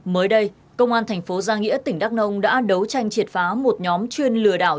mới đây công an thành phố giang nghĩa tỉnh đắk nông đã đấu tranh triệt phá một nhóm chuyên lừa đảo